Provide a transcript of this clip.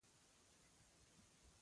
یوه ګډوډي وه.